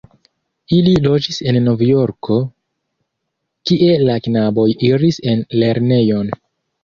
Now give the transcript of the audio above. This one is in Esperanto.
Ili loĝis en Novjorko, kie la knaboj iris en lernejon.